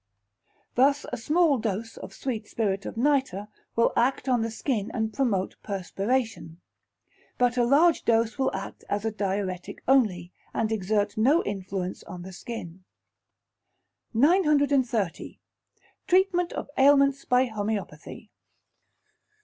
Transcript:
Thus a small dose of sweet spirit of nitre will act on the skin and promote perspiration, but a large dose will act as a diuretic only, and exert no influence on the skin. 930. Treatment of Ailments by Homoeopathy.